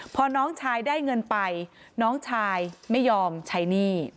พอน้องชายได้เงินไปน้องชายไม่ยอมใช้หนี้